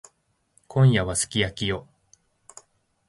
今夜はすき焼きよ。